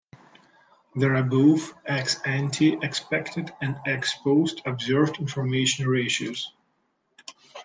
There are both ex ante expected and ex post observed information ratios.